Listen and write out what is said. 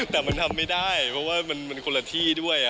แต่มันทำไม่ได้เพราะว่ามันคนละที่ด้วย